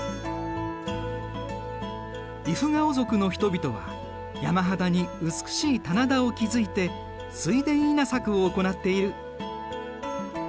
イフガオ族の人々は山肌に美しい棚田を築いて水田稲作を行っている。